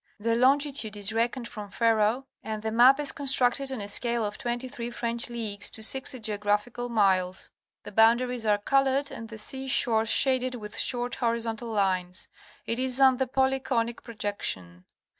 The longitude is reckoned from Ferro, and the map is constructed on a scale of 23 French leagues to 60 geographical miles. The boundaries are colored and the sea shore shaded with short hori zontal lines. It is on the polyconic projection.